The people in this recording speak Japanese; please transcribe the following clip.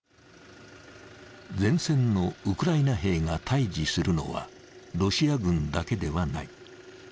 前線のウクライナ兵が対峙するのはロシア軍だけではない。